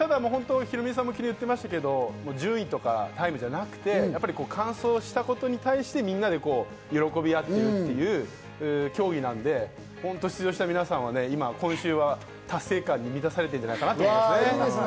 ヒロミさんも昨日言ってましたけど、順位とかタイムではなくて完走したことに対して、みんなで喜び合っているという競技なんで、出場した皆さんは今週は達成感に満たされてるんじゃないかなと思いますね。